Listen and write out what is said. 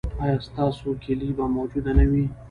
ایا ستاسو کیلي به موجوده نه وي؟